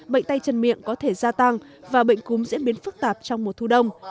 bệnh tay chân miệng có thể gia tăng và bệnh cúm diễn biến phức tạp trong mùa thu đông